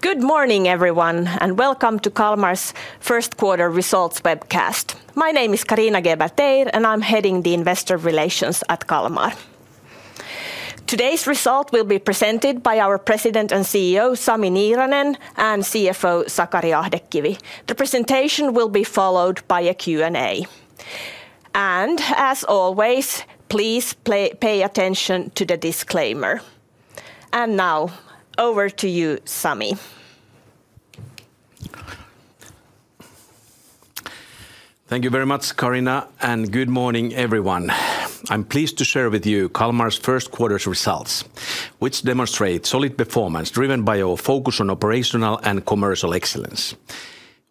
Good morning, everyone, and welcome to Kalmar's First Quarter Results webcast. My name is Carina Geber-Teir, and I'm heading the investor relations at Kalmar. Today's result will be presented by our President and CEO, Sami Niiranen, and CFO, Sakari Ahdekivi. The presentation will be followed by a Q&A. Please pay attention to the disclaimer. Now, over to you, Sami. Thank you very much, Carina, and good morning, everyone. I'm pleased to share with you Kalmar's first quarter's results, which demonstrate solid performance driven by our focus on operational and commercial excellence.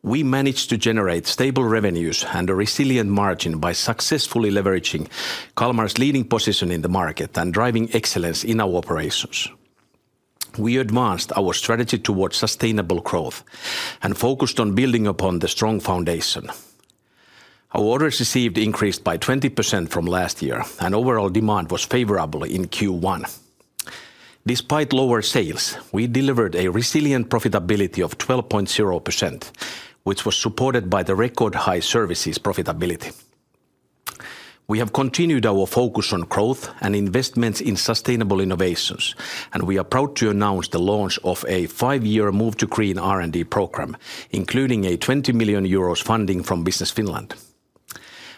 We managed to generate stable revenues and a resilient margin by successfully leveraging Kalmar's leading position in the market and driving excellence in our operations. We advanced our strategy towards sustainable growth and focused on building upon the strong foundation. Our orders received increased by 20% from last year, and overall demand was favorable in Q1. Despite lower sales, we delivered a resilient profitability of 12.0%, which was supported by the record high services profitability. We have continued our focus on growth and investments in sustainable innovations, and we are proud to announce the launch of a five-year Move2Green R&D program, including a 20 million euros funding from Business Finland.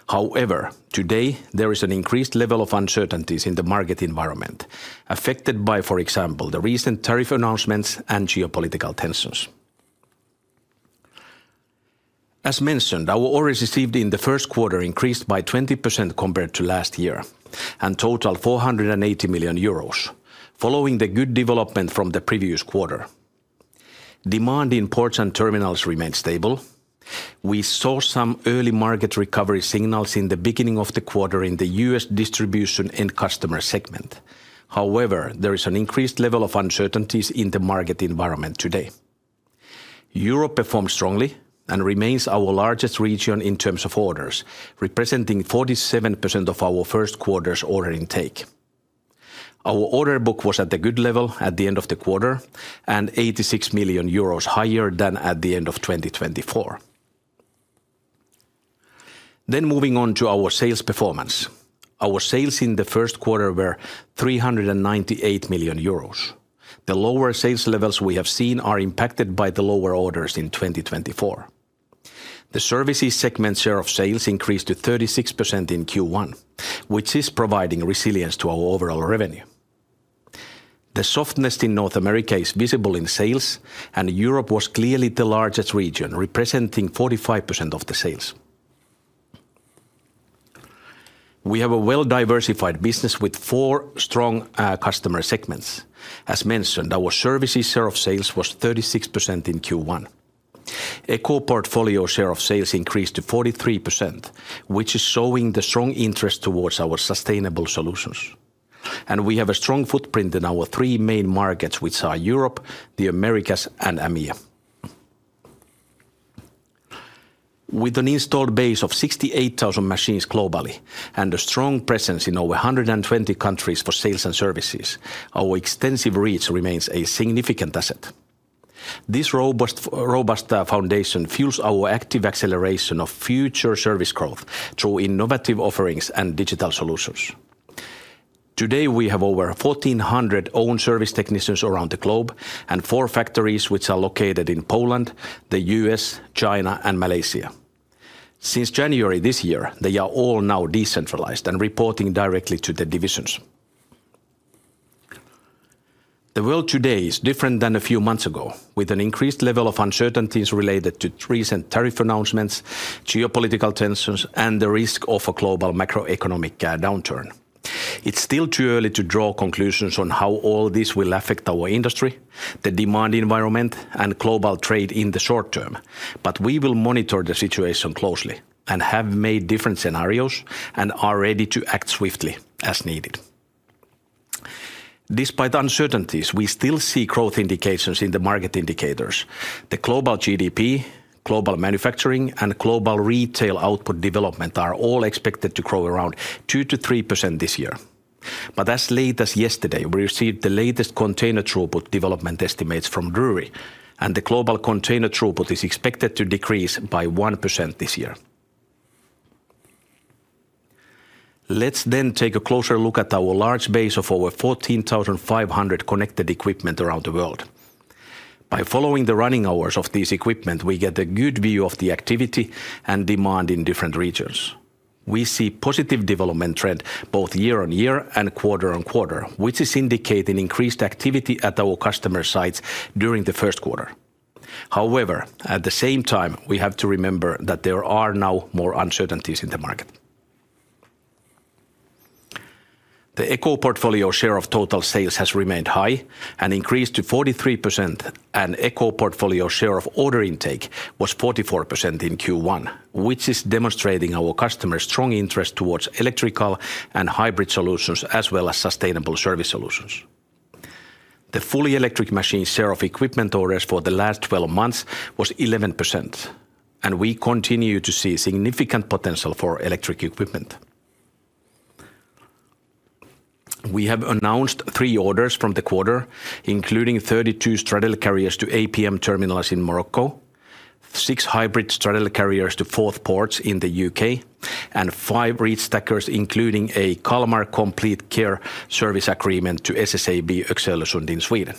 However, today, there is an increased level of uncertainties in the market environment, affected by, for example, the recent tariff announcements and geopolitical tensions. As mentioned, our orders received in the first quarter increased by 20% compared to last year and totaled 480 million euros, following the good development from the previous quarter. Demand in ports and terminals remained stable. We saw some early market recovery signals in the beginning of the quarter in the U.S. distribution and customer segment. However, there is an increased level of uncertainties in the market environment today. Europe performed strongly and remains our largest region in terms of orders, representing 47% of our first quarter's order intake. Our order book was at a good level at the end of the quarter and 86 million euros higher than at the end of 2024. Moving on to our sales performance, our sales in the first quarter were 398 million euros. The lower sales levels we have seen are impacted by the lower orders in 2024. The services segment share of sales increased to 36% in Q1, which is providing resilience to our overall revenue. The softness in North America is visible in sales, and Europe was clearly the largest region, representing 45% of the sales. We have a well-diversified business with four strong customer segments. As mentioned, our services share of sales was 36% in Q1. Eco portfolio share of sales increased to 43%, which is showing the strong interest towards our sustainable solutions. We have a strong footprint in our three main markets, which are Europe, the Americas, and EMEA. With an installed base of 68,000 machines globally and a strong presence in over 120 countries for sales and services, our extensive reach remains a significant asset. This robust foundation fuels our active acceleration of future service growth through innovative offerings and digital solutions. Today, we have over 1,400 owned service technicians around the globe and four factories which are located in Poland, the U.S., China, and Malaysia. Since January this year, they are all now decentralized and reporting directly to the divisions. The world today is different than a few months ago, with an increased level of uncertainties related to recent tariff announcements, geopolitical tensions, and the risk of a global macroeconomic downturn. It's still too early to draw conclusions on how all this will affect our industry, the demand environment, and global trade in the short term, but we will monitor the situation closely and have made different scenarios and are ready to act swiftly as needed. Despite uncertainties, we still see growth indications in the market indicators. The global GDP, global manufacturing, and global retail output development are all expected to grow around 2%-3% this year. As late as yesterday, we received the latest container throughput development estimates from Drewry, and the global container throughput is expected to decrease by 1% this year. Let's then take a closer look at our large base of over 14,500 connected equipment around the world. By following the running hours of this equipment, we get a good view of the activity and demand in different regions. We see a positive development trend both year on year and quarter on quarter, which is indicating increased activity at our customer sites during the first quarter. However, at the same time, we have to remember that there are now more uncertainties in the market. The eco portfolio share of total sales has remained high and increased to 43%, and eco portfolio share of order intake was 44% in Q1, which is demonstrating our customers' strong interest towards electrical and hybrid solutions as well as sustainable service solutions. The fully electric machine share of equipment orders for the last 12 months was 11%, and we continue to see significant potential for electric equipment. We have announced three orders from the quarter, including 32 straddle carriers to APM Terminals in Morocco, six hybrid straddle carriers to Forth Ports in the U.K., and five reach stackers, including a Kalmar Complete Care service agreement to SSAB Oxelösund in Sweden.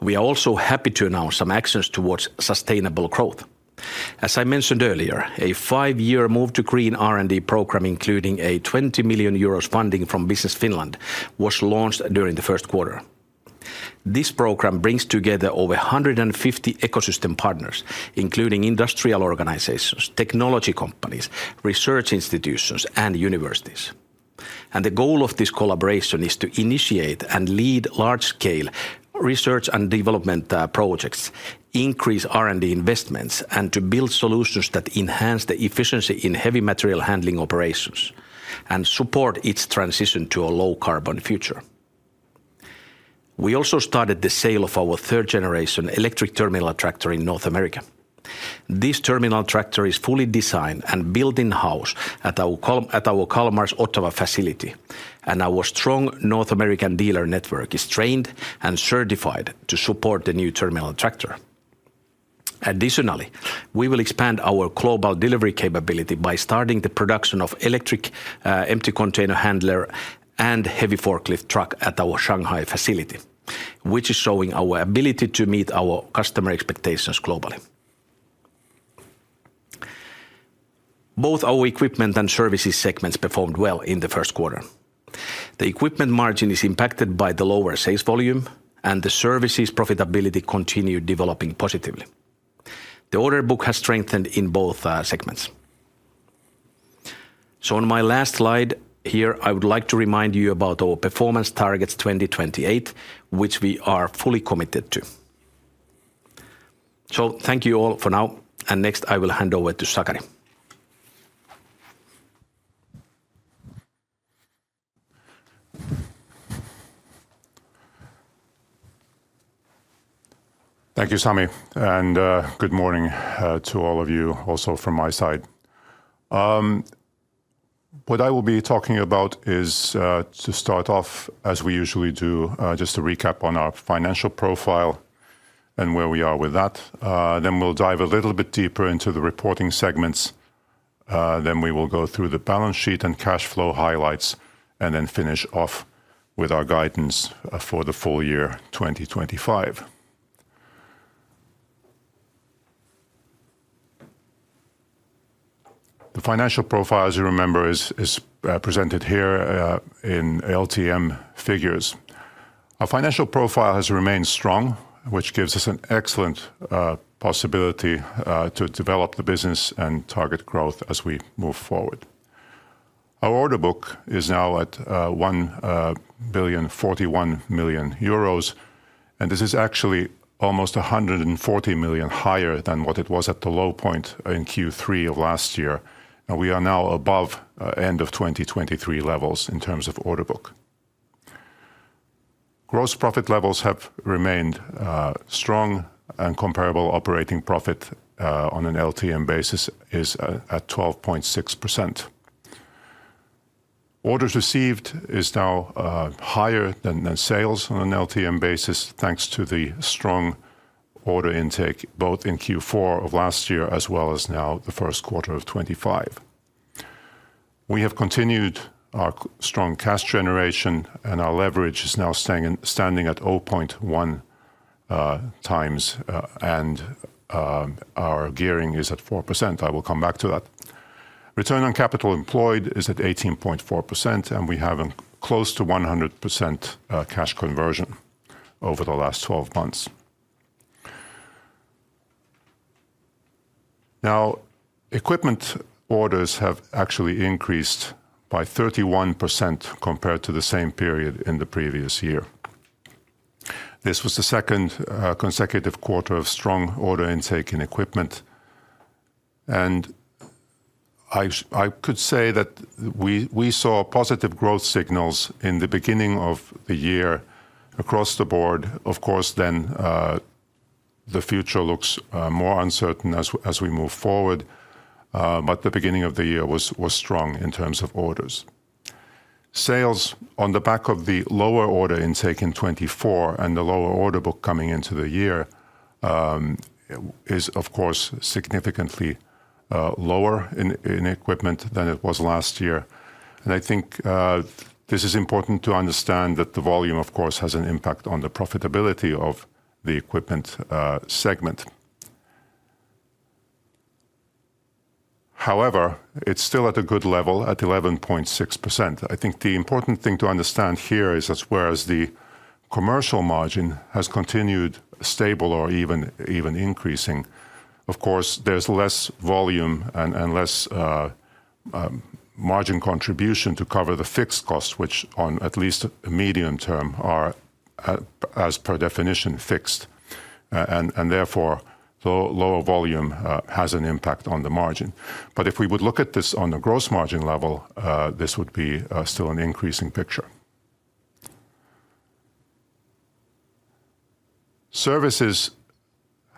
We are also happy to announce some actions towards sustainable growth. As I mentioned earlier, a five-year Move2Green R&D program, including a 20 million euros funding from Business Finland, was launched during the first quarter. This program brings together over 150 ecosystem partners, including industrial organizations, technology companies, research institutions, and universities. The goal of this collaboration is to initiate and lead large-scale research and development projects, increase R&D investments, and to build solutions that enhance the efficiency in heavy material handling operations and support its transition to a low-carbon future. We also started the sale of our third-generation electric terminal tractor in North America. This terminal tractor is fully designed and built in-house at our Kalmar's Ottawa facility, and our strong North American dealer network is trained and certified to support the new terminal tractor. Additionally, we will expand our global delivery capability by starting the production of electric empty container handler and heavy forklift truck at our Shanghai facility, which is showing our ability to meet our customer expectations globally. Both our equipment and services segments performed well in the first quarter. The equipment margin is impacted by the lower sales volume, and the services profitability continued developing positively. The order book has strengthened in both segments. On my last slide here, I would like to remind you about our performance targets 2028, which we are fully committed to. Thank you all for now, and next I will hand over to Sakari. Thank you, Sami, and good morning to all of you also from my side. What I will be talking about is to start off, as we usually do, just to recap on our financial profile and where we are with that. Then we'll dive a little bit deeper into the reporting segments. Then we will go through the balance sheet and cash flow highlights, and then finish off with our guidance for the full year 2025. The financial profile, as you remember, is presented here in LTM figures. Our financial profile has remained strong, which gives us an excellent possibility to develop the business and target growth as we move forward. Our order book is now at 1,041 million euros, and this is actually almost 140 million higher than what it was at the low point in Q3 of last year. We are now above end of 2023 levels in terms of order book. Gross profit levels have remained strong, and comparable operating profit on an LTM basis is at 12.6%. Orders received is now higher than sales on an LTM basis, thanks to the strong order intake both in Q4 of last year as well as now the first quarter of 2025. We have continued our strong cash generation, and our leverage is now standing at 0.1x, and our gearing is at 4%. I will come back to that. Return on capital employed is at 18.4%, and we have close to 100% cash conversion over the last 12 months. Now, equipment orders have actually increased by 31% compared to the same period in the previous year. This was the second consecutive quarter of strong order intake in equipment. I could say that we saw positive growth signals in the beginning of the year across the board. Of course, the future looks more uncertain as we move forward, but the beginning of the year was strong in terms of orders. Sales on the back of the lower order intake in 2024 and the lower order book coming into the year is, of course, significantly lower in equipment than it was last year. I think this is important to understand that the volume, of course, has an impact on the profitability of the equipment segment. However, it is still at a good level at 11.6%. I think the important thing to understand here is that whereas the commercial margin has continued stable or even increasing, of course, there is less volume and less margin contribution to cover the fixed costs, which on at least a medium term are, as per definition, fixed. Therefore, lower volume has an impact on the margin. If we would look at this on the gross margin level, this would be still an increasing picture. Services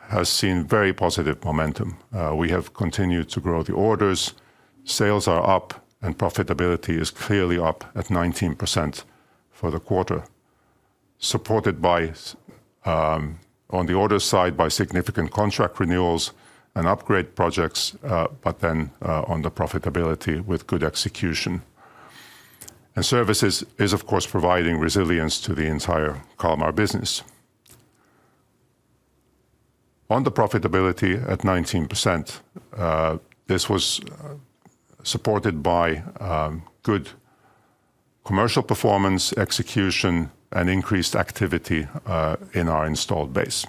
has seen very positive momentum. We have continued to grow the orders. Sales are up, and profitability is clearly up at 19% for the quarter, supported on the order side by significant contract renewals and upgrade projects, then on the profitability with good execution. Services is, of course, providing resilience to the entire Kalmar business. On the profitability at 19%, this was supported by good commercial performance, execution, and increased activity in our installed base.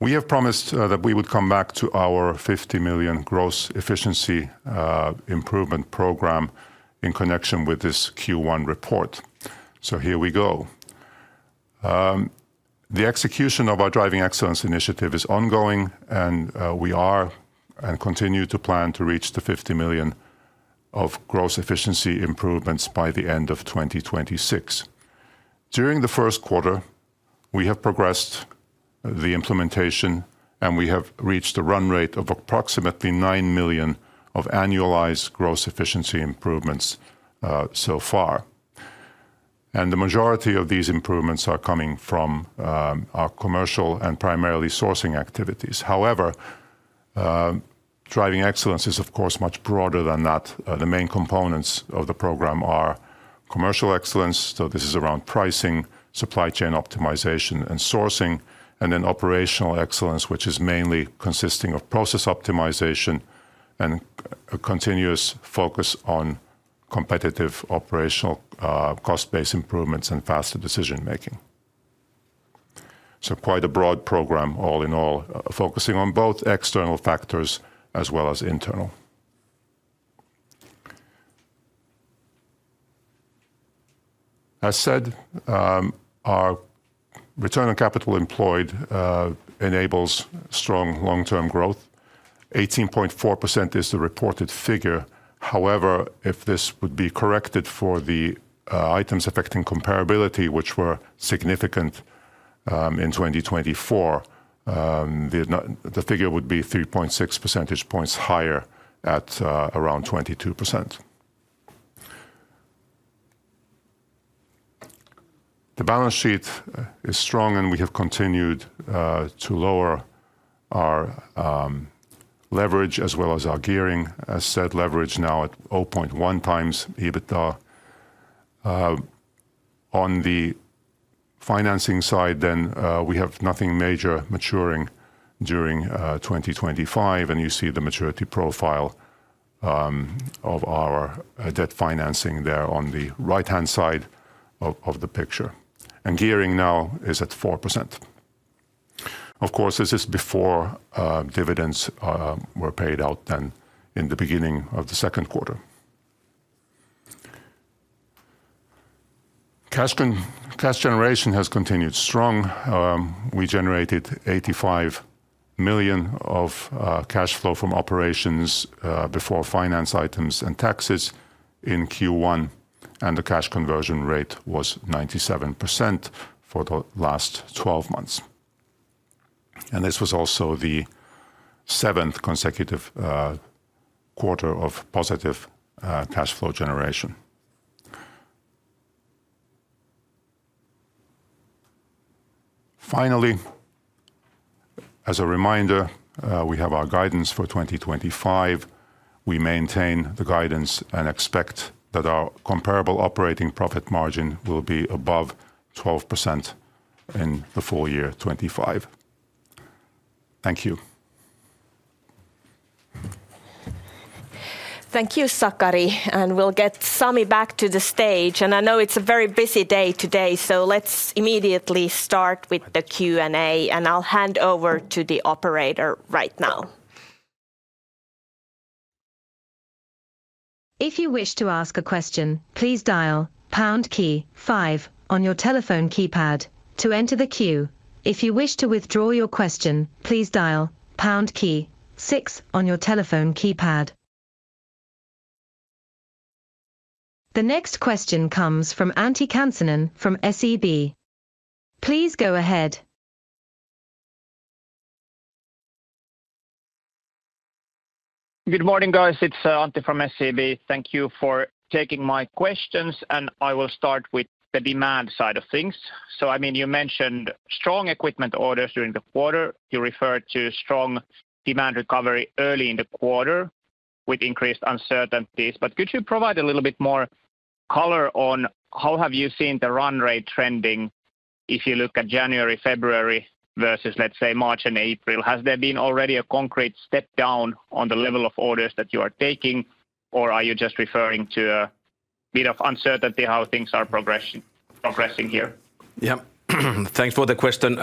We have promised that we would come back to our 50 million gross efficiency improvement program in connection with this Q1 report. Here we go. The execution of our driving excellence initiative is ongoing, and we are and continue to plan to reach the 50 million of gross efficiency improvements by the end of 2026. During the first quarter, we have progressed the implementation, and we have reached a run rate of approximately 9 million of annualized gross efficiency improvements so far. The majority of these improvements are coming from our commercial and primarily sourcing activities. However, driving excellence is, of course, much broader than that. The main components of the program are commercial excellence, so this is around pricing, supply chain optimization, and sourcing, and then operational excellence, which is mainly consisting of process optimization and a continuous focus on competitive operational cost-based improvements and faster decision-making. Quite a broad program all in all, focusing on both external factors as well as internal. As said, our return on capital employed enables strong long-term growth. 18.4% is the reported figure. However, if this would be corrected for the items affecting comparability, which were significant in 2024, the figure would be 3.6 percentage points higher at around 22%. The balance sheet is strong, and we have continued to lower our leverage as well as our gearing, as said, leverage now at 0.1x EBITDA. On the financing side, we have nothing major maturing during 2025, and you see the maturity profile of our debt financing there on the right-hand side of the picture. Gearing now is at 4%. Of course, this is before dividends were paid out in the beginning of the second quarter. Cash generation has continued strong. We generated 85 million of cash flow from operations before finance items and taxes in Q1, and the cash conversion rate was 97% for the last 12 months. This was also the seventh consecutive quarter of positive cash flow generation. Finally, as a reminder, we have our guidance for 2025. We maintain the guidance and expect that our comparable operating profit margin will be above 12% in the full year 2025. Thank you. Thank you, Sakari, and we'll get Sami back to the stage. I know it's a very busy day today, so let's immediately start with the Q&A, and I'll hand over to the operator right now. If you wish to ask a question, please dial pound key five on your telephone keypad to enter the queue. If you wish to withdraw your question, please dial pound key six on your telephone keypad. The next question comes from Antti Kansanen from SEB. Please go ahead. Good morning, guys. It's Antti from SEB. Thank you for taking my questions, and I will start with the demand side of things. I mean, you mentioned strong equipment orders during the quarter. You referred to strong demand recovery early in the quarter with increased uncertainties. Could you provide a little bit more color on how have you seen the run rate trending if you look at January, February versus, let's say, March and April? Has there been already a concrete step down on the level of orders that you are taking, or are you just referring to a bit of uncertainty how things are progressing here? Yeah, thanks for the question.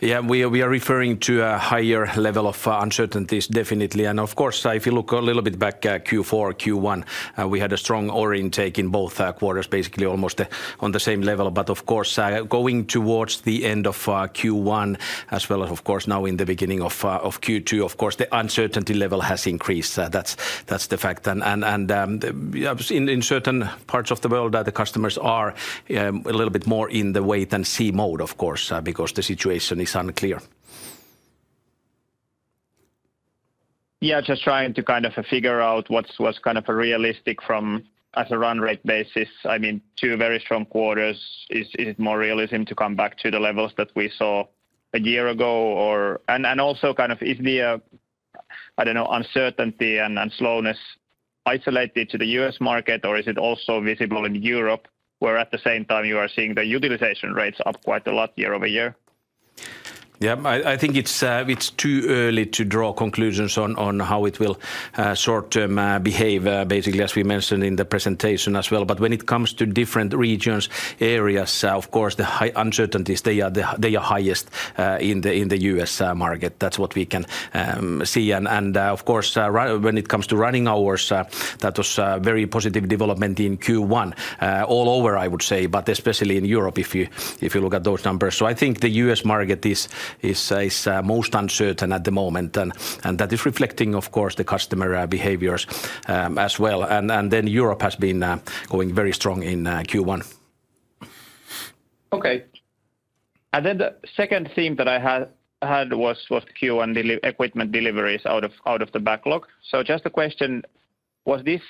Yeah, we are referring to a higher level of uncertainties, definitely. Of course, if you look a little bit back at Q4, Q1, we had a strong order intake in both quarters, basically almost on the same level. Of course, going towards the end of Q1, as well as now in the beginning of Q2, the uncertainty level has increased. That's the fact. In certain parts of the world, the customers are a little bit more in the wait-and-see mode, of course, because the situation is unclear. Yeah, just trying to kind of figure out what's kind of realistic from a run rate basis. I mean, two very strong quarters. Is it more realism to come back to the levels that we saw a year ago? Also, is the, I don't know, uncertainty and slowness isolated to the U.S. market, or is it also visible in Europe, where at the same time you are seeing the utilization rates up quite a lot year-over-year? Yeah, I think it's too early to draw conclusions on how it will short-term behave, basically, as we mentioned in the presentation as well. When it comes to different regions, areas, of course, the uncertainties, they are highest in the U.S. market. That's what we can see. Of course, when it comes to running hours, that was a very positive development in Q1 all over, I would say, but especially in Europe if you look at those numbers. I think the U.S. market is most uncertain at the moment, and that is reflecting, of course, the customer behaviors as well. Europe has been going very strong in Q1. Okay. The second theme that I had was Q1 equipment deliveries out of the backlog. Just a question, was this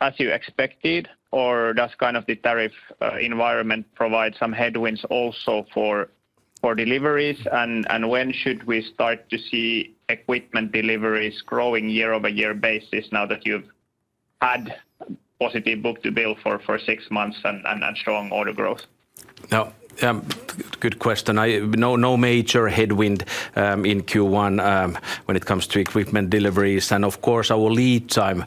as you expected, or does kind of the tariff environment provide some headwinds also for deliveries, and when should we start to see equipment deliveries growing year-over-year basis now that you've had positive book to bill for six months and strong order growth? Yeah, good question. No major headwind in Q1 when it comes to equipment deliveries. Of course, our lead time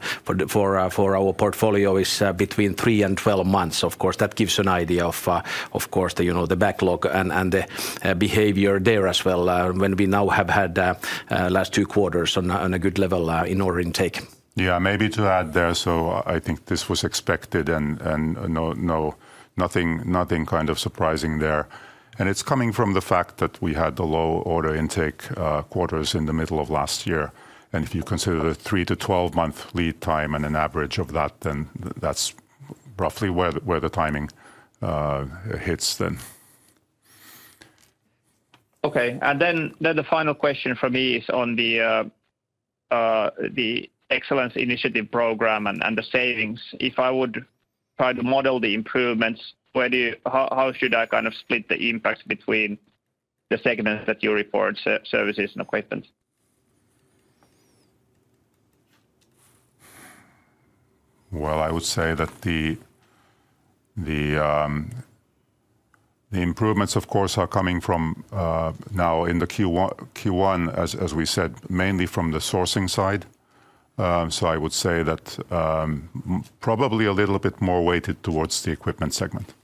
for our portfolio is between three and 12 months. That gives you an idea of, of course, the backlog and the behavior there as well when we now have had the last two quarters on a good level in order intake. Yeah, maybe to add there, I think this was expected and nothing kind of surprising there. It is coming from the fact that we had the low order intake quarters in the middle of last year. If you consider the three to 12 month lead time and an average of that, then that is roughly where the timing hits then. Okay. The final question for me is on the excellence initiative program and the savings. If I would try to model the improvements, how should I kind of split the impacts between the segments that you report, services and equipment? I would say that the improvements, of course, are coming from now in the Q1, as we said, mainly from the sourcing side. I would say that probably a little bit more weighted towards the equipment segment.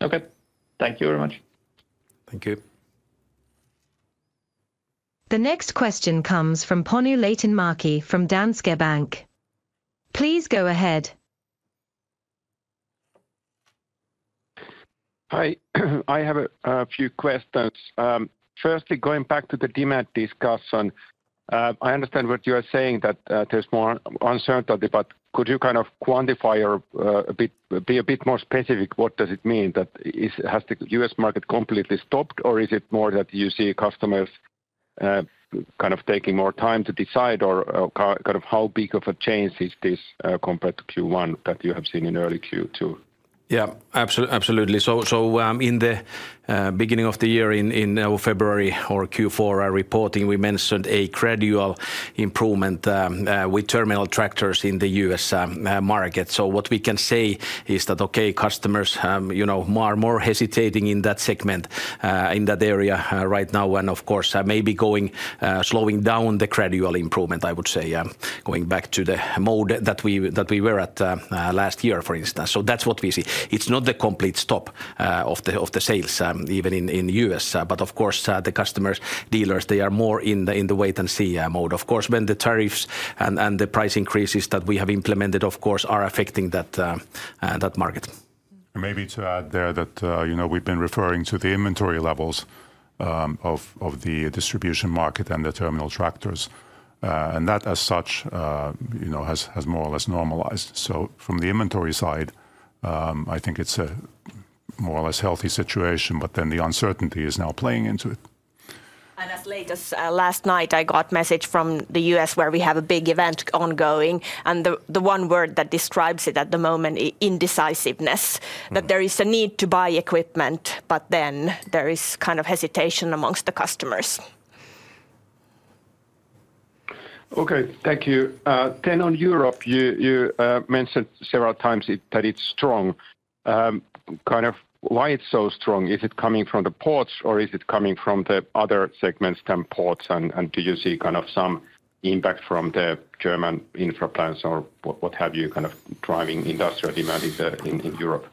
Okay. Thank you very much. Thank you. The next question comes from Panu Laitinmäki from Danske Bank. Please go ahead. Hi. I have a few questions. Firstly, going back to the demand discussion, I understand what you are saying that there's more uncertainty, but could you kind of quantify or be a bit more specific? What does it mean? Has the U.S. market completely stopped, or is it more that you see customers kind of taking more time to decide or kind of how big of a change is this compared to Q1 that you have seen in early Q2? Yeah, absolutely. In the beginning of the year, in February or Q4 reporting, we mentioned a gradual improvement with terminal tractors in the U.S. market. What we can say is that, okay, customers are more hesitating in that segment, in that area right now, and of course, maybe going slowing down the gradual improvement, I would say, going back to the mode that we were at last year, for instance. That is what we see. It is not the complete stop of the sales, even in the U.S., but of course, the customers, dealers, they are more in the wait-and-see mode. Of course, when the tariffs and the price increases that we have implemented, of course, are affecting that market. Maybe to add there that we've been referring to the inventory levels of the distribution market and the terminal tractors. That as such has more or less normalized. From the inventory side, I think it's a more or less healthy situation, but the uncertainty is now playing into it. As late as last night, I got a message from the U.S. where we have a big event ongoing. The one word that describes it at the moment is indecisiveness, that there is a need to buy equipment, but then there is kind of hesitation amongst the customers. Okay, thank you. On Europe, you mentioned several times that it's strong. Kind of why it's so strong? Is it coming from the ports or is it coming from the other segments than ports? Do you see kind of some impact from the German infra plants or what have you kind of driving industrial demand in Europe?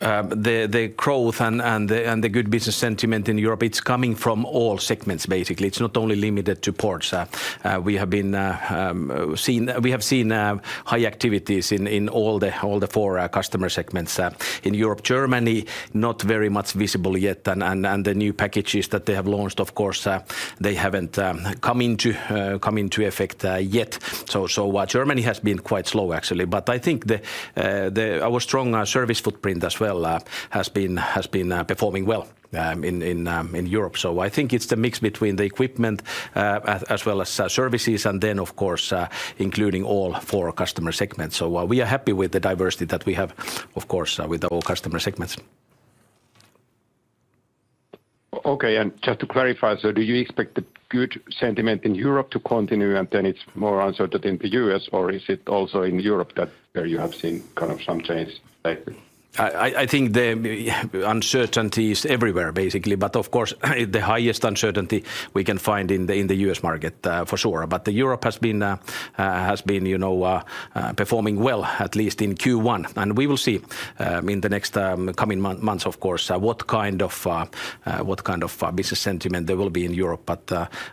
The growth and the good business sentiment in Europe, it's coming from all segments, basically. It's not only limited to ports. We have seen high activities in all the four customer segments in Europe. Germany, not very much visible yet. The new packages that they have launched, of course, they haven't come into effect yet. Germany has been quite slow, actually. I think our strong service footprint as well has been performing well in Europe. I think it's the mix between the equipment as well as services and then, of course, including all four customer segments. We are happy with the diversity that we have, of course, with all customer segments. Okay. Just to clarify, do you expect the good sentiment in Europe to continue and then it's more uncertain in the U.S., or is it also in Europe where you have seen kind of some change? I think the uncertainty is everywhere, basically. Of course, the highest uncertainty we can find is in the U.S. market, for sure. Europe has been performing well, at least in Q1. We will see in the next coming months, of course, what kind of business sentiment there will be in Europe.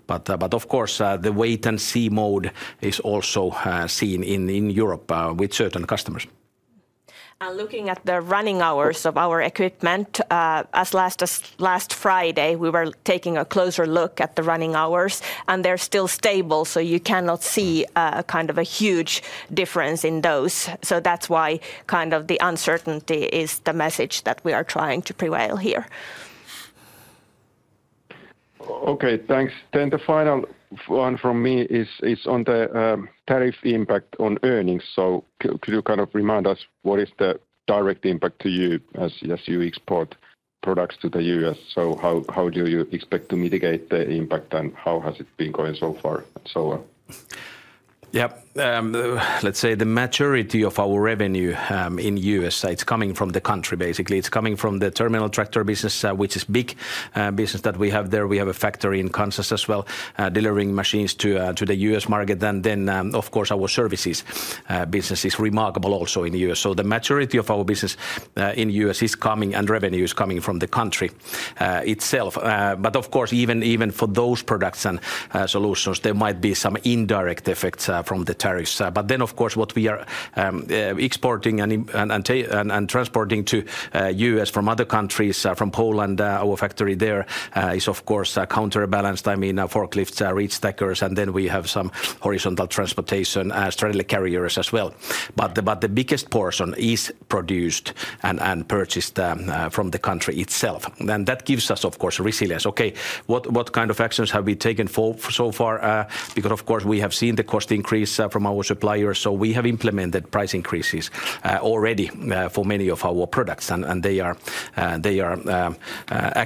Of course, the wait-and-see mode is also seen in Europe with certain customers. Looking at the running hours of our equipment, as of last Friday, we were taking a closer look at the running hours, and they're still stable. You cannot see kind of a huge difference in those. That's why kind of the uncertainty is the message that we are trying to prevail here. Okay, thanks. The final one from me is on the tariff impact on earnings. Could you kind of remind us what is the direct impact to you as you export products to the U.S.? How do you expect to mitigate the impact and how has it been going so far and so on? Yeah, let's say the majority of our revenue in the U.S., it's coming from the country, basically. It's coming from the terminal tractor business, which is a big business that we have there. We have a factory in Kansas as well, delivering machines to the U.S. market. Of course, our services business is remarkable also in the U.S. The majority of our business in the U.S. is coming and revenue is coming from the country itself. Of course, even for those products and solutions, there might be some indirect effects from the tariffs. What we are exporting and transporting to the U.S. from other countries, from Poland, our factory there is, of course, counterbalanced. I mean, forklifts, reach stackers, and then we have some horizontal transportation, straddle carriers as well. The biggest portion is produced and purchased from the country itself. That gives us, of course, resilience. Okay, what kind of actions have we taken so far? Because, of course, we have seen the cost increase from our suppliers. We have implemented price increases already for many of our products, and they are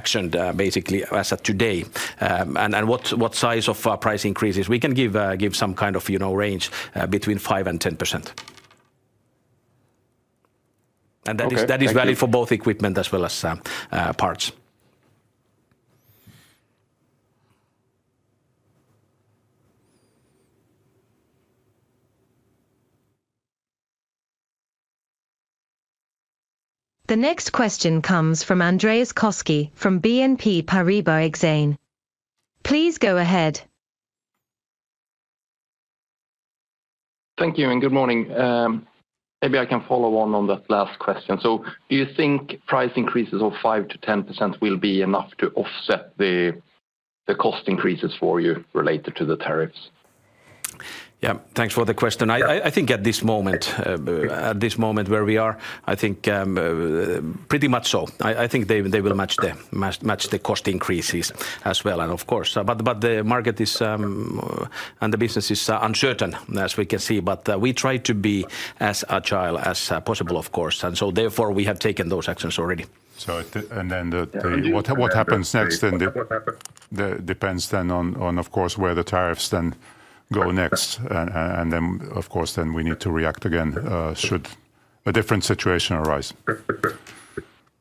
actioned basically as of today. What size of price increases? We can give some kind of range between 5%-10%. That is valid for both equipment as well as parts. The next question comes from Andreas Koski from BNP Paribas Exane. Please go ahead. Thank you and good morning. Maybe I can follow on that last question. Do you think price increases of 5%-10% will be enough to offset the cost increases for you related to the tariffs? Yeah, thanks for the question. I think at this moment, at this moment where we are, I think pretty much so. I think they will match the cost increases as well, of course. The market is and the business is uncertain, as we can see. We try to be as agile as possible, of course. Therefore, we have taken those actions already. And then what happens next? Depends then on, of course, where the tariffs then go next. Of course, then we need to react again should a different situation arise.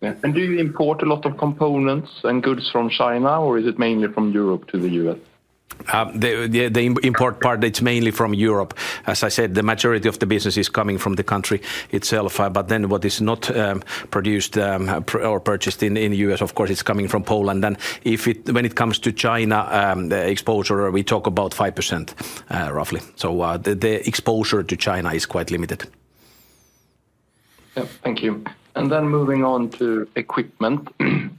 Do you import a lot of components and goods from China, or is it mainly from Europe to the U.S.? The import part, it's mainly from Europe. As I said, the majority of the business is coming from the country itself. What is not produced or purchased in the U.S., of course, it's coming from Poland. When it comes to China exposure, we talk about 5% roughly. The exposure to China is quite limited. Thank you. Moving on to equipment,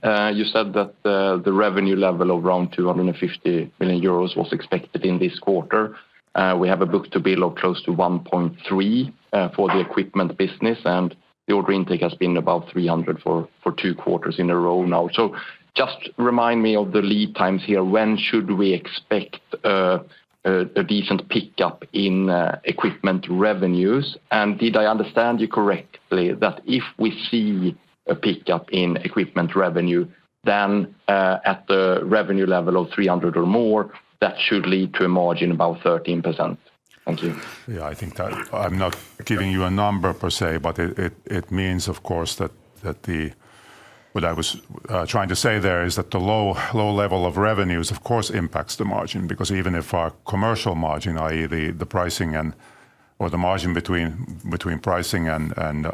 you said that the revenue level of around 250 million euros was expected in this quarter. We have a book to bill of close to 1.3 for the equipment business, and the order intake has been about 300 million for two quarters in a row now. Just remind me of the lead times here. When should we expect a decent pickup in equipment revenues? Did I understand you correctly that if we see a pickup in equipment revenue, then at the revenue level of 300 million or more, that should lead to a margin about 13%? Thank you. Yeah, I think that I'm not giving you a number per se, but it means, of course, that what I was trying to say there is that the low level of revenues, of course, impacts the margin, because even if our commercial margin, i.e., the pricing and or the margin between pricing and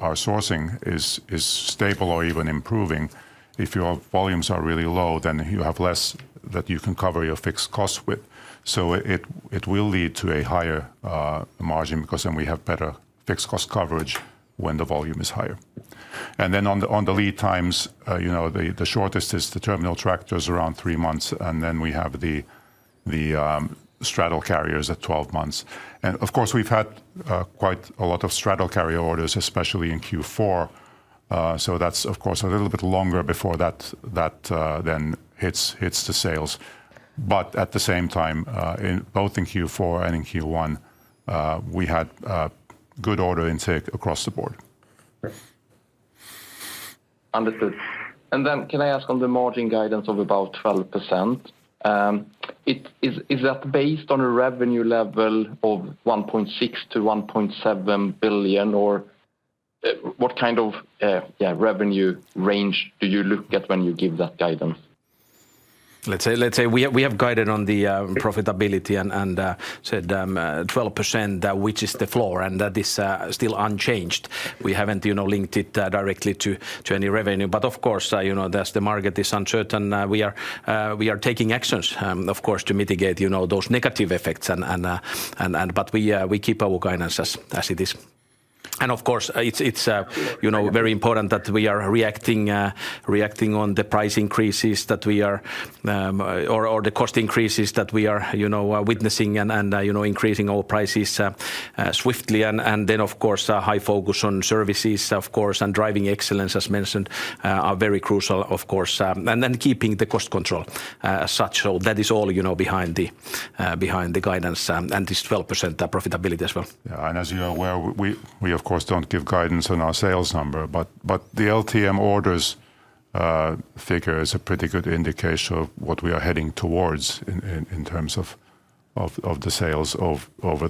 our sourcing is stable or even improving, if your volumes are really low, then you have less that you can cover your fixed costs with. It will lead to a higher margin because then we have better fixed cost coverage when the volume is higher. On the lead times, the shortest is the terminal tractors around three months, and then we have the straddle carriers at 12 months. Of course, we've had quite a lot of straddle carrier orders, especially in Q4. That is, of course, a little bit longer before that then hits the sales. At the same time, both in Q4 and in Q1, we had good order intake across the board. Understood. Can I ask on the margin guidance of about 12%? Is that based on a revenue level of 1.6 billion-1.7 billion, or what kind of revenue range do you look at when you give that guidance? Let's say we have guided on the profitability and said 12%, which is the floor, and that is still unchanged. We haven't linked it directly to any revenue. Of course, as the market is uncertain, we are taking actions, of course, to mitigate those negative effects. We keep our guidance as it is. Of course, it's very important that we are reacting on the price increases that we are or the cost increases that we are witnessing and increasing our prices swiftly. High focus on services, of course, and driving excellence, as mentioned, are very crucial, of course. Keeping the cost control as such. That is all behind the guidance and this 12% profitability as well. Yeah. As you're aware, we, of course, do not give guidance on our sales number, but the LTM orders figure is a pretty good indication of what we are heading towards in terms of the sales over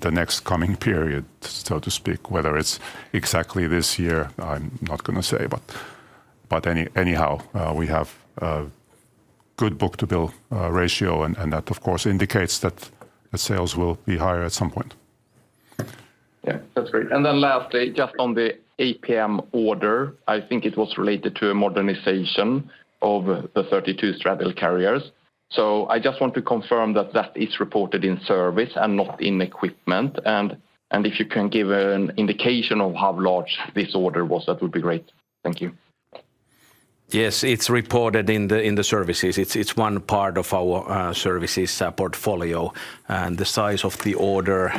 the next coming period, so to speak, whether it is exactly this year, I am not going to say. Anyhow, we have a good book to bill ratio, and that, of course, indicates that sales will be higher at some point. Yeah, that's great. Lastly, just on the APM order, I think it was related to a modernization of the 32 straddle carriers. I just want to confirm that that is reported in service and not in equipment. If you can give an indication of how large this order was, that would be great. Thank you. Yes, it's reported in the services. It's one part of our services portfolio. The size of the order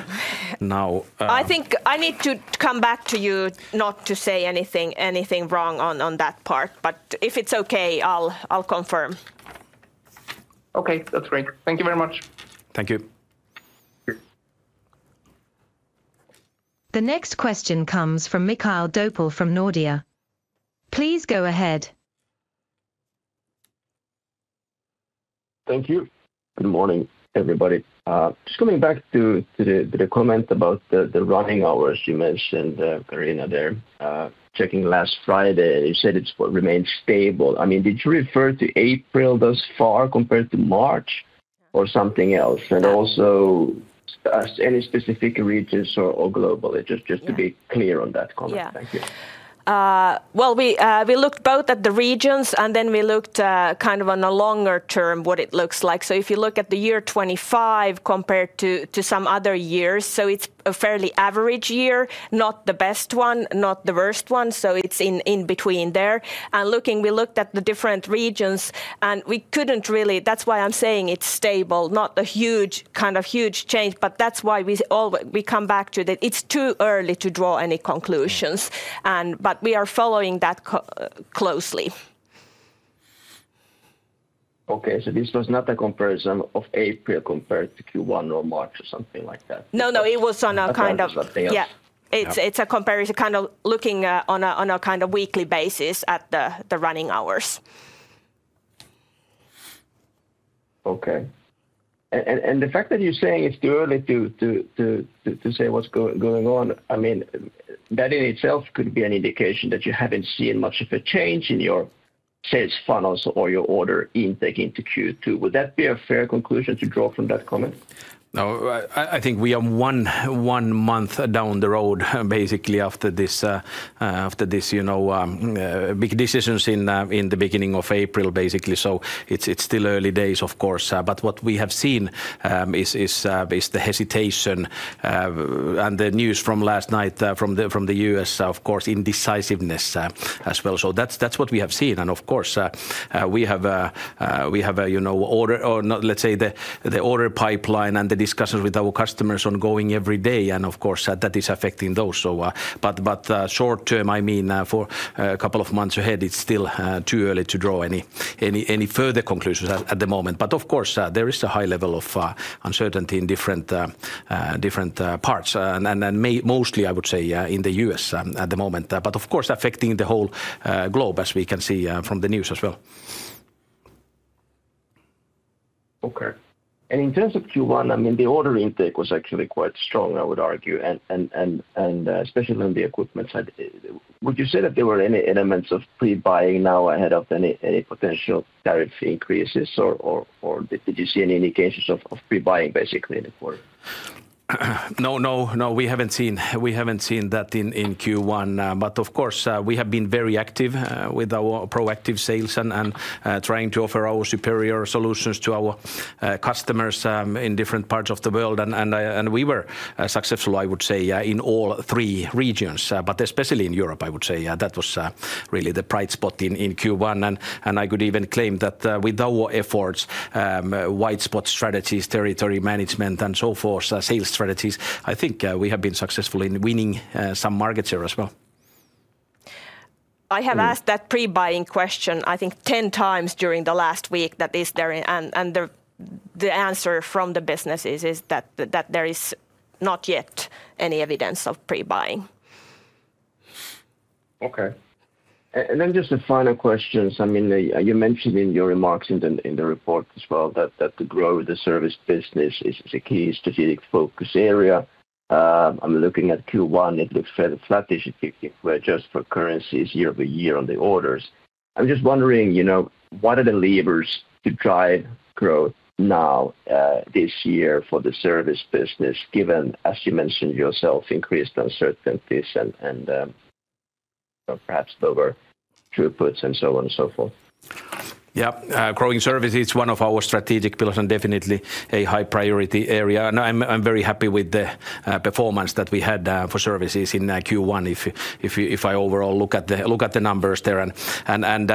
now. I think I need to come back to you, not to say anything wrong on that part, but if it's okay, I'll confirm. Okay, that's great. Thank you very much. Thank you. The next question comes from Mikael Doepel from Nordea. Please go ahead. Thank you. Good morning, everybody. Just coming back to the comment about the running hours, you mentioned, Carina, there. Checking last Friday, you said it remained stable. I mean, did you refer to April thus far compared to March or something else? Also any specific regions or globally, just to be clear on that comment? Thank you. We looked both at the regions, and then we looked kind of on a longer term, what it looks like. If you look at the year 2025 compared to some other years, it is a fairly average year, not the best one, not the worst one. It is in between there. We looked at the different regions, and we could not really, that is why I am saying it is stable, not a huge kind of huge change. That is why we come back to it. It is too early to draw any conclusions, but we are following that closely. Okay. This was not a comparison of April compared to Q1 or March or something like that? No, no, it was on a kind of, yeah, it's a comparison kind of looking on a kind of weekly basis at the running hours. Okay. The fact that you're saying it's too early to say what's going on, I mean, that in itself could be an indication that you haven't seen much of a change in your sales funnels or your order intake into Q2. Would that be a fair conclusion to draw from that comment? No, I think we are one month down the road, basically, after these big decisions in the beginning of April, basically. It is still early days, of course. What we have seen is the hesitation and the news from last night from the U.S., of course, indecisiveness as well. That is what we have seen. We have, let's say the order pipeline and the discussions with our customers ongoing every day. That is affecting those. Short term, I mean, for a couple of months ahead, it is still too early to draw any further conclusions at the moment. There is a high level of uncertainty in different parts, and mostly, I would say, in the U.S. at the moment, but affecting the whole globe, as we can see from the news as well. Okay. In terms of Q1, I mean, the order intake was actually quite strong, I would argue, and especially on the equipment side. Would you say that there were any elements of pre-buying now ahead of any potential tariff increases, or did you see any indications of pre-buying basically in the quarter? No, no, no, we have not seen that in Q1. Of course, we have been very active with our proactive sales and trying to offer our superior solutions to our customers in different parts of the world. We were successful, I would say, in all three regions. Especially in Europe, I would say that was really the bright spot in Q1. I could even claim that with our efforts, white spot strategies, territory management, and so forth, sales strategies, I think we have been successful in winning some markets here as well. I have asked that pre-buying question, I think, 10 times during the last week that is there, and the answer from the businesses is that there is not yet any evidence of pre-buying. Okay. And then just a final question. I mean, you mentioned in your remarks in the report as well that the growth of the service business is a key strategic focus area. I'm looking at Q1, it looks fairly flat. It's just for currencies year over year on the orders. I'm just wondering, what are the levers to drive growth now this year for the service business, given, as you mentioned yourself, increased uncertainties and perhaps lower throughputs and so on and so forth? Yeah, growing services is one of our strategic pillars and definitely a high priority area. I'm very happy with the performance that we had for services in Q1, if I overall look at the numbers there.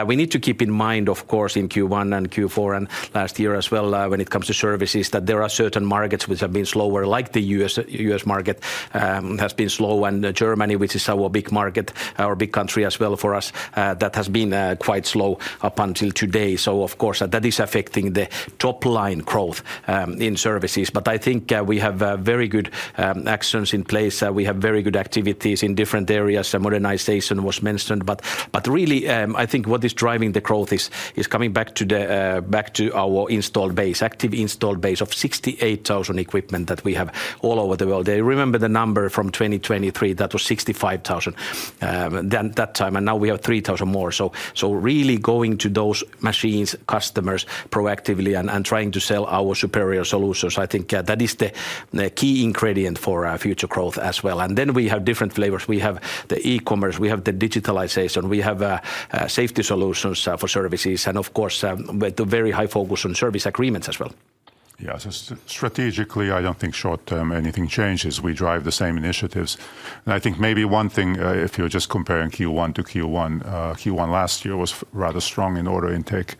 We need to keep in mind, of course, in Q1 and Q4 and last year as well, when it comes to services, that there are certain markets which have been slower, like the U.S. market has been slow, and Germany, which is our big market, our big country as well for us, that has been quite slow up until today. That is affecting the top line growth in services. I think we have very good actions in place. We have very good activities in different areas. Modernization was mentioned. I think what is driving the growth is coming back to our installed base, active installed base of 68,000 equipment that we have all over the world. I remember the number from 2023, that was 65,000 at that time, and now we have 3,000 more. Really going to those machines, customers, proactively and trying to sell our superior solutions, I think that is the key ingredient for our future growth as well. We have different flavors. We have the e-commerce, we have the digitalization, we have safety solutions for services, and of course, with a very high focus on service agreements as well. Yeah, so strategically, I do not think short term anything changes. We drive the same initiatives. I think maybe one thing, if you are just comparing Q1 to Q1, Q1 last year was rather strong in order intake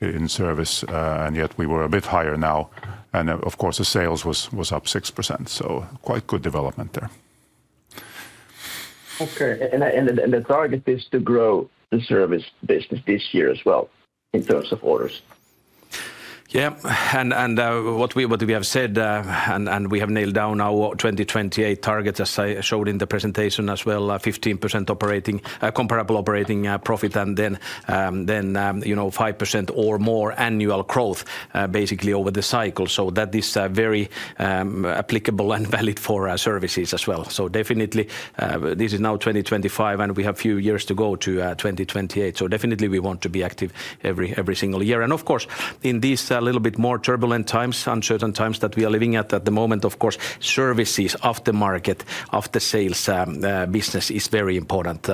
in service, and yet we were a bit higher now. Of course, the sales was up 6%. Quite good development there. Okay. The target is to grow the service business this year as well in terms of orders. Yeah. What we have said, and we have nailed down our 2028 targets, as I showed in the presentation as well, 15% comparable operating profit, and then 5% or more annual growth, basically over the cycle. That is very applicable and valid for our services as well. Definitely, this is now 2025, and we have a few years to go to 2028. Definitely, we want to be active every single year. Of course, in these a little bit more turbulent times, uncertain times that we are living at at the moment, of course, services off the market, off the sales business is very important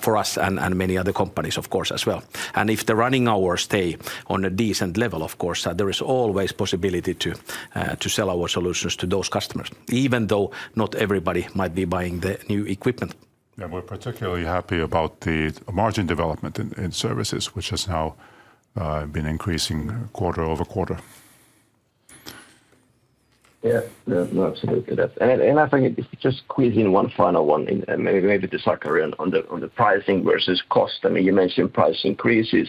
for us and many other companies, of course, as well. If the running hours stay on a decent level, of course, there is always possibility to sell our solutions to those customers, even though not everybody might be buying the new equipment. Yeah, we're particularly happy about the margin development in services, which has now been increasing quarter-over-quarter. Yeah, absolutely. I think just quizzing one final one, maybe just on the pricing versus cost. I mean, you mentioned price increases.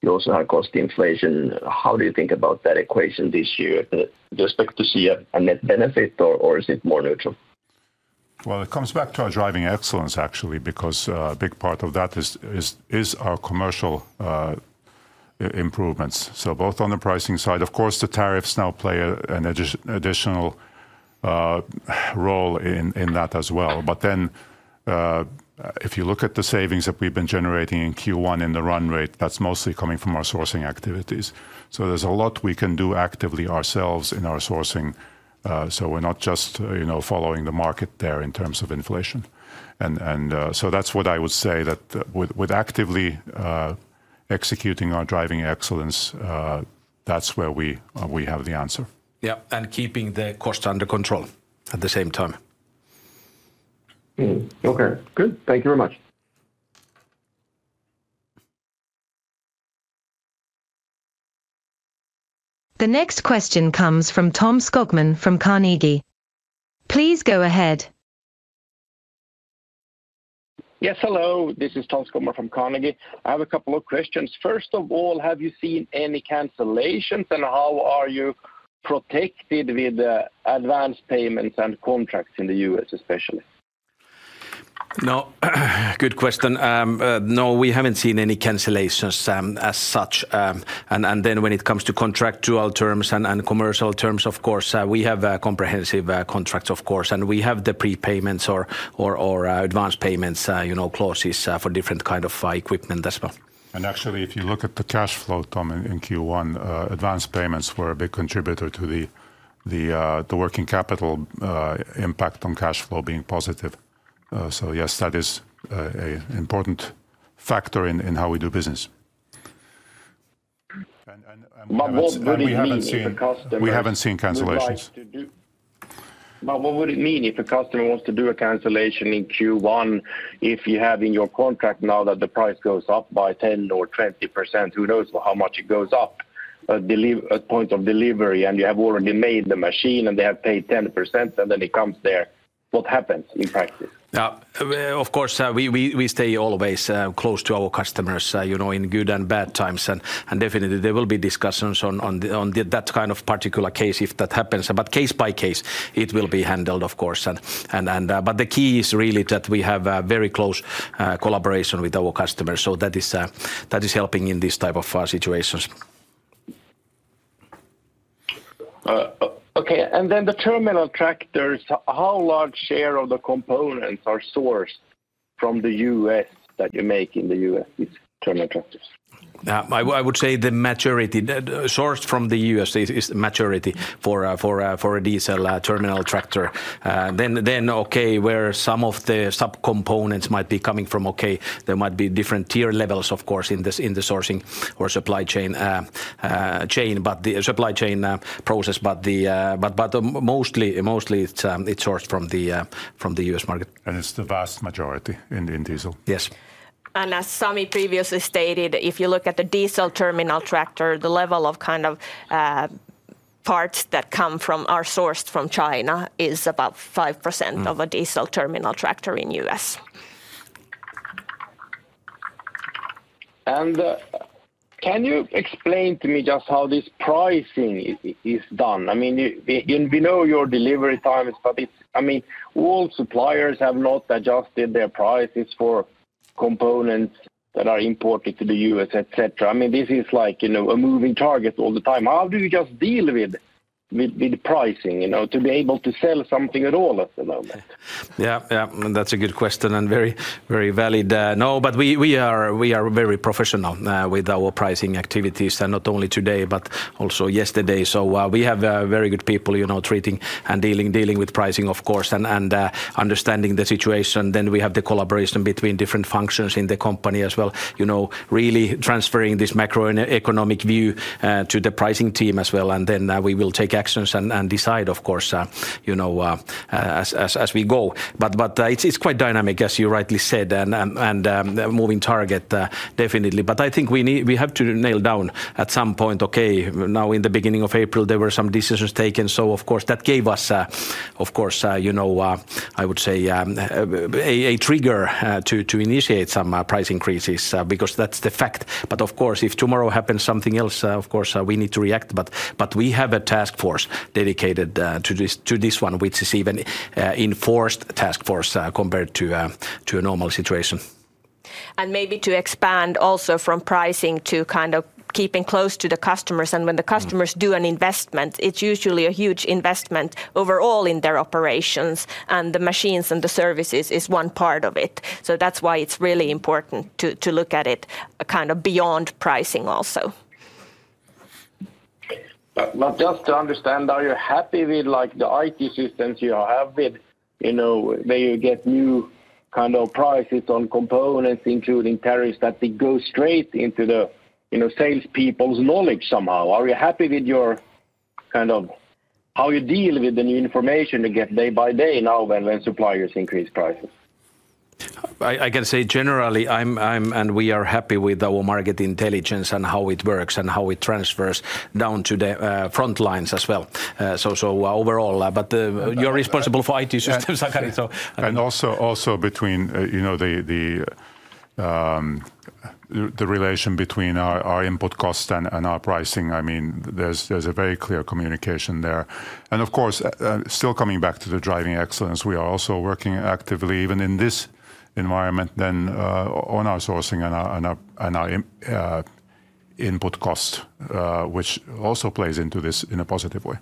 You also have cost inflation. How do you think about that equation this year? Do you expect to see a net benefit, or is it more neutral? It comes back to our driving excellence, actually, because a big part of that is our commercial improvements. Both on the pricing side, of course, the tariffs now play an additional role in that as well. If you look at the savings that we've been generating in Q1 in the run rate, that's mostly coming from our sourcing activities. There's a lot we can do actively ourselves in our sourcing. We're not just following the market there in terms of inflation. That's what I would say, that with actively executing our driving excellence, that's where we have the answer. Yeah, and keeping the cost under control at the same time. Okay, good. Thank you very much. The next question comes from Tom Skogman from Carnegie. Please go ahead. Yes, hello. This is Tom Skogman from Carnegie. I have a couple of questions. First of all, have you seen any cancellations, and how are you protected with advance payments and contracts in the U.S., especially? No, good question. No, we haven't seen any cancellations as such. When it comes to contract dual terms and commercial terms, of course, we have comprehensive contracts, of course, and we have the prepayments or advance payments clauses for different kinds of equipment as well. Actually, if you look at the cash flow, Tom, in Q1, advance payments were a big contributor to the working capital impact on cash flow being positive. Yes, that is an important factor in how we do business. What would it mean if the customer wants to do? We haven't seen cancellations. What would it mean if a customer wants to do a cancellation in Q1 if you have in your contract now that the price goes up by 10% or 20%? Who knows how much it goes up at point of delivery, and you have already made the machine, and they have paid 10%, and then it comes there? What happens in practice? Yeah, of course, we stay always close to our customers in good and bad times. Definitely, there will be discussions on that kind of particular case if that happens. Case by case, it will be handled, of course. The key is really that we have a very close collaboration with our customers. That is helping in these types of situations. Okay. Then the terminal tractors, how large share of the components are sourced from the U.S. that you make in the U.S., these terminal tractors? I would say the majority sourced from the U.S. is the majority for a diesel terminal tractor. Where some of the subcomponents might be coming from, there might be different tier levels, of course, in the sourcing or supply chain process, but mostly it's sourced from the U.S. market. It's the vast majority in diesel. Yes. As Sami previously stated, if you look at the diesel terminal tractor, the level of kind of parts that come from or are sourced from China is about 5% of a diesel terminal tractor in the U.S. Can you explain to me just how this pricing is done? I mean, we know your delivery times, but I mean, all suppliers have not adjusted their prices for components that are imported to the U.S., etc. I mean, this is like a moving target all the time. How do you just deal with pricing to be able to sell something at all at the moment? Yeah, yeah, that's a good question and very valid. No, but we are very professional with our pricing activities, and not only today, but also yesterday. We have very good people treating and dealing with pricing, of course, and understanding the situation. We have the collaboration between different functions in the company as well, really transferring this macroeconomic view to the pricing team as well. We will take actions and decide, of course, as we go. It's quite dynamic, as you rightly said, and a moving target, definitely. I think we have to nail down at some point, okay, now in the beginning of April, there were some decisions taken. That gave us, of course, I would say, a trigger to initiate some price increases because that's the fact. Of course, if tomorrow happens something else, of course, we need to react. We have a task force dedicated to this one, which is even an enforced task force compared to a normal situation. Maybe to expand also from pricing to kind of keeping close to the customers. When the customers do an investment, it's usually a huge investment overall in their operations, and the machines and the services is one part of it. That's why it's really important to look at it kind of beyond pricing also. Just to understand, are you happy with the IT systems you have with where you get new kind of prices on components, including tariffs, that they go straight into the salespeople's knowledge somehow? Are you happy with kind of how you deal with the new information you get day by day now when suppliers increase prices? I can say generally, we are happy with our market intelligence and how it works and how it transfers down to the front lines as well. Overall, you are responsible for IT systems. Also, between the relation between our input cost and our pricing, I mean, there is a very clear communication there. Of course, still coming back to the driving excellence, we are also working actively even in this environment on our sourcing and our input cost, which also plays into this in a positive way.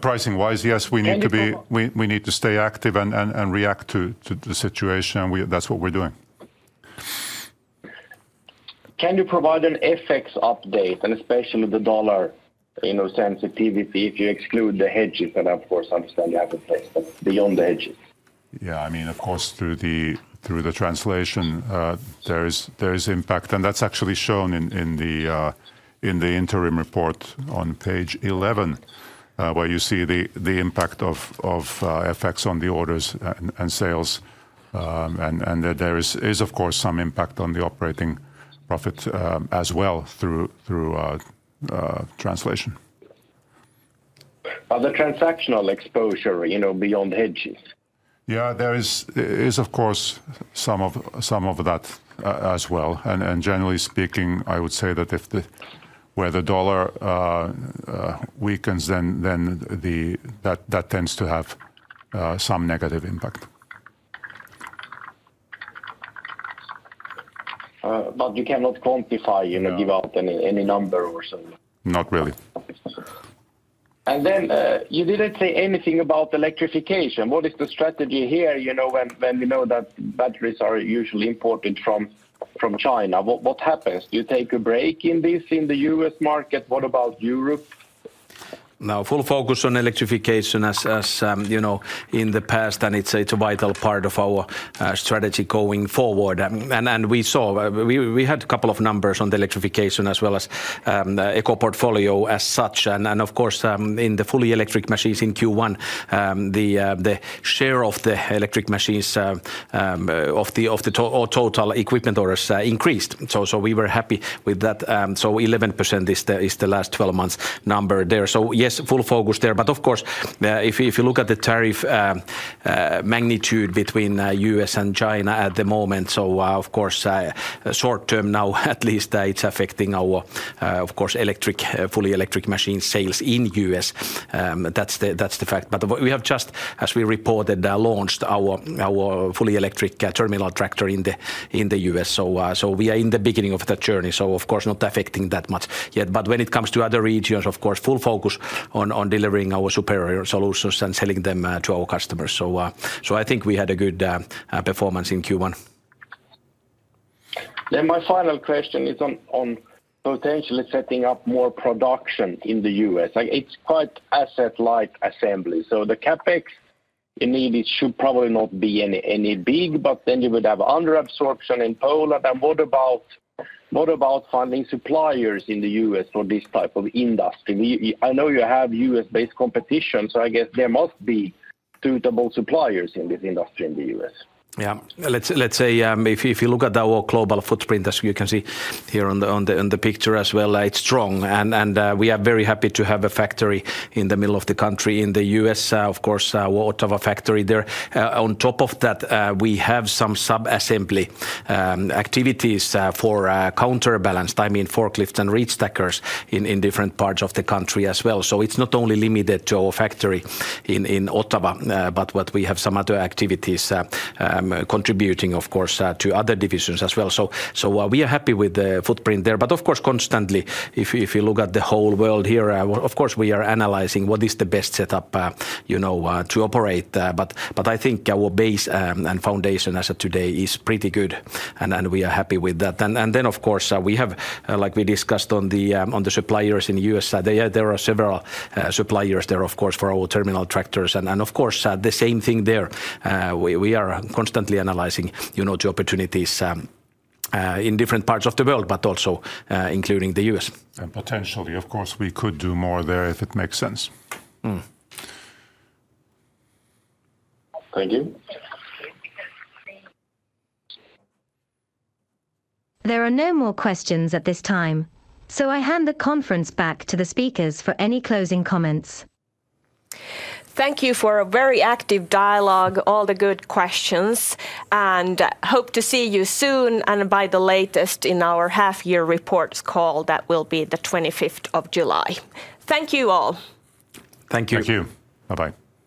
Pricing-wise, yes, we need to stay active and react to the situation. That is what we are doing. Can you provide an FX update, and especially the dollar sensitivity, if you exclude the hedges? Of course, I understand you have a place beyond the hedges. Yeah, I mean, of course, through the translation, there is impact. That is actually shown in the interim report on page 11, where you see the impact of FX on the orders and sales. There is, of course, some impact on the operating profit as well through translation. Are there transactional exposure beyond hedges? Yeah, there is, of course, some of that as well. Generally speaking, I would say that where the dollar weakens, then that tends to have some negative impact. You cannot quantify, give out any number or so. Not really. You did not say anything about electrification. What is the strategy here when we know that batteries are usually imported from China? What happens? Do you take a break in this in the U.S. market? What about Europe? No, full focus on electrification as in the past, and it is a vital part of our strategy going forward. We saw we had a couple of numbers on the electrification as well as the eco portfolio as such. Of course, in the fully electric machines in Q1, the share of the electric machines of the total equipment orders increased. We were happy with that. 11% is the last 12 months number there. Yes, full focus there. Of course, if you look at the tariff magnitude between the U.S. and China at the moment, at least short term now, it is affecting our, of course, electric, fully electric machine sales in the U.S. That is the fact. We have just, as we reported, launched our fully electric terminal tractor in the U.S. We are in the beginning of that journey. Of course, not affecting that much yet. When it comes to other regions, of course, full focus on delivering our superior solutions and selling them to our customers. I think we had a good performance in Q1. My final question is on potentially setting up more production in the U.S. It's quite asset-light assembly. So the CapEx in need should probably not be any big, but then you would have underabsorption in Poland. What about finding suppliers in the U.S. for this type of industry? I know you have U.S.-based competition, so I guess there must be suitable suppliers in this industry in the U.S. Yeah, let's say if you look at our global footprint, as you can see here on the picture as well, it's strong. We are very happy to have a factory in the middle of the country in the U.S., of course, Ottawa factory there. On top of that, we have some sub-assembly activities for counterbalanced, I mean, forklifts and reach stackers in different parts of the country as well. It's not only limited to our factory in Ottawa, but we have some other activities contributing, of course, to other divisions as well. We are happy with the footprint there. Of course, constantly, if you look at the whole world here, we are analyzing what is the best setup to operate. I think our base and foundation as of today is pretty good, and we are happy with that. Of course, we have, like we discussed on the suppliers in the U.S., there are several suppliers there, of course, for our terminal tractors. Of course, the same thing there. We are constantly analyzing the opportunities in different parts of the world, but also including the U.S. Potentially, of course, we could do more there if it makes sense. Thank you. There are no more questions at this time, so I hand the conference back to the speakers for any closing comments. Thank you for a very active dialogue, all the good questions, and hope to see you soon and by the latest in our half-year reports call that will be the 25th of July. Thank you all. Thank you. Thank you. Bye-bye.